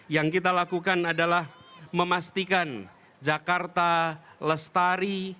yang kita lakukan adalah memastikan jakarta lestari